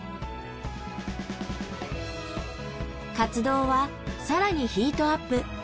活動はさらにヒートアップ。